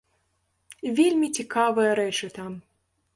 Вельмі цікавыя рэчы там.